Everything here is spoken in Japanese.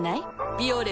「ビオレ」